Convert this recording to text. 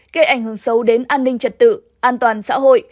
gây ảnh hưởng sâu đến an ninh trật tự an toàn xã hội